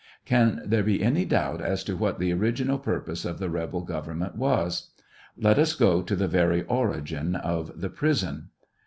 Can there be any doubt as to what the original purpose of the rebel government was ? Let us go to the very origin of the prison.